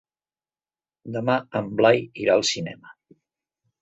Demà en Blai irà al cinema.